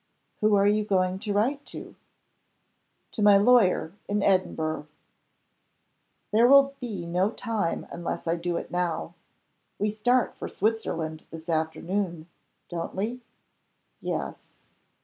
"Who are you going to write to?" "To my lawyer in Edinburgh. There will be no time unless I do it now. We start for Switzerland this afternoon don't we?' "Yes."